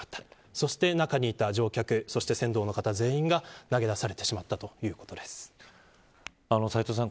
そして中にいた乗客、船頭の方全員が投げ出されてしまった斎藤さん